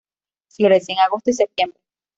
Florece en agosto y septiembre.